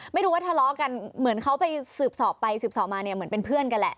ไม่รู้ว่าทะเลาะกันเหมือนเขาไปสืบสอบไปสืบสอบมาเนี่ยเหมือนเป็นเพื่อนกันแหละ